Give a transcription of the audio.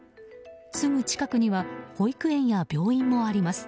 すぐ近くには保育園や病院もあります。